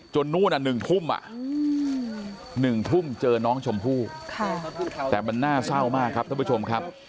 นู่น๑ทุ่ม๑ทุ่มเจอน้องชมพู่แต่มันน่าเศร้ามากครับท่านผู้ชมครับ